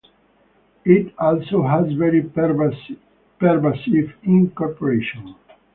It also has very pervasive incorporation.